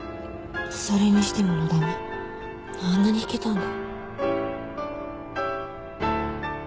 それにしてものだめあんなに弾けたんだ。